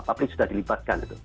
publik sudah dilibatkan